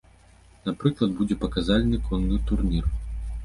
Напрыклад, будзе паказальны конны турнір.